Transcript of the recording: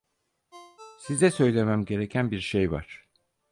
Size söylemem gereken bir şey var.